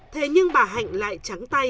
thế nhưng bà hạnh lại trắng tay